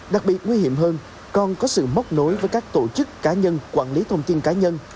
đặc biệt nguy hiểm hơn còn có sự móc nối với các tổ chức cá nhân quản lý thông tin cá nhân